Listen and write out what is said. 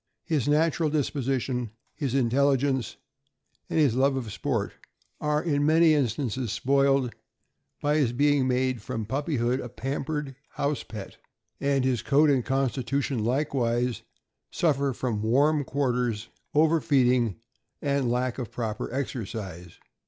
His natural disposition, his intelligence, and his love of sport, are, in THE SKYE TEKKIEK. 483 many instances, spoiled by his being made, from puppy hood, a pampered house pet, and his coat and constitution likewise suffer from warm quarters, overfeeding, and lack of proper exercise.